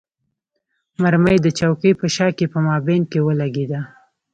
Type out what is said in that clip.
مرمۍ د چوکۍ په شا کې په مابین کې ولګېده.